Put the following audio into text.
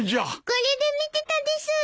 これで見てたです。